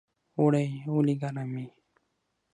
اوړی ولې ګرم وي؟